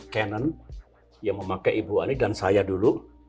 canon yang memakai ibu ani dan saya dulu